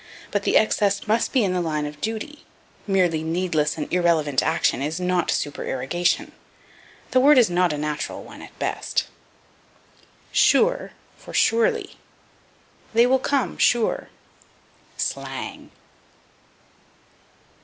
But the excess must be in the line of duty; merely needless and irrelevant action is not supererogation. The word is not a natural one, at best. Sure for Surely. "They will come, sure." Slang.